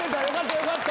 よかった！